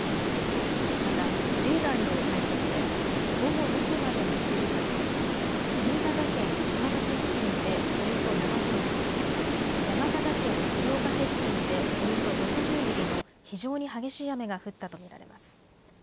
またレーダーによる解析で午後２時までの１時間に新潟県新発田市付近でおよそ７０ミリ、山形県鶴岡市付近でおよそ６０ミリの非常に激しい雨が降ったと見られます。